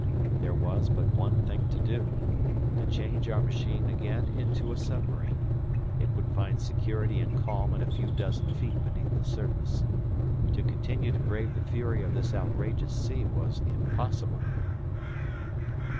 There was but one thing to do—to change our machine again into a submarine. It would find security and calm at a few dozen feet beneath the surface. To continue to brave the fury of this outrageous sea was impossible.